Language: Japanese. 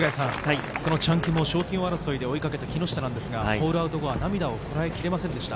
チャン・キムを賞金王争いで追いかける木下ですが、ホールアウト後は涙をこらえきれませんでした。